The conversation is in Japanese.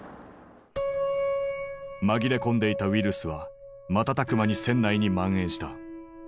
紛れ込んでいたウイルスは瞬く間に船内に蔓延した。